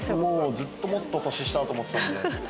ずっともっと年下だと思ってたんで。